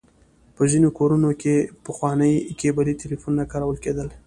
په ځينې کورونو کې پخواني کيبلي ټليفونونه کارول کېدل.